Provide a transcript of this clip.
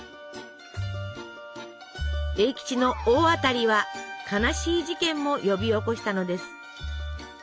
栄吉の「大当たり」は悲しい事件も呼び起こしたのです。